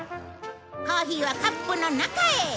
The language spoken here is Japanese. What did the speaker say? コーヒーはカップの中へ。